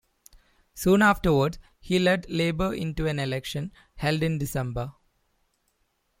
Soon afterwards, he led Labor into an election held in December.